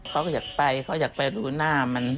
เขาก็อยากไปเขาอยากไปดูหน้ามัน